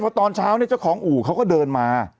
พอตอนเช้าเนี่ยเจ้าของอู่เขาก็เดินมา